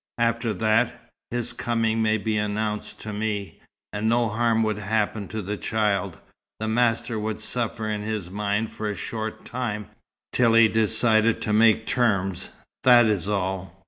After that, his coming may be announced to me. And no harm would happen to the child. The master would suffer in his mind for a short time, till he decided to make terms, that is all.